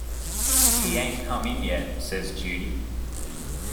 "He ain't come in yet," says Judy.